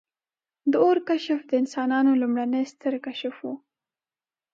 • د اور کشف د انسانانو لومړنی ستر کشف و.